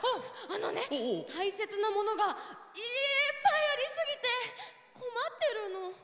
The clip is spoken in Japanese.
あのねたいせつなものがいっぱいありすぎてこまってるの。